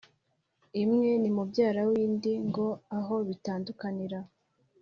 imwe ni mubyara w’indi!” ngo aho bitandukanira